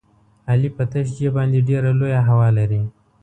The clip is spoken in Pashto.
علي په تش جېب باندې ډېره لویه هوا لري.